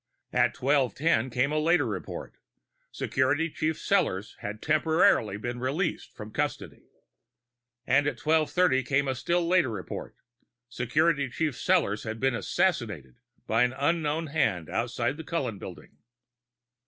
At 1210 came a later report: Security Chief Sellors had temporarily been released from custody. And at 1230 came a still later report: Security Chief Sellors had been assassinated by an unknown hand outside the Cullen Building.